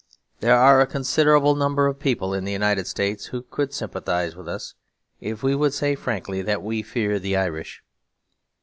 There are a considerable number of people in the United States who could sympathise with us, if we would say frankly that we fear the Irish.